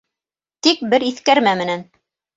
Тик бер иҫкәрмә менән.